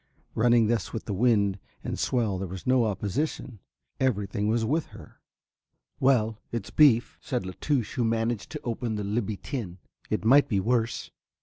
Running thus with the wind and swell there was no opposition, everything was with her. "Well, it's beef," said La Touche who had managed to open the Libby tin, "it might be worse."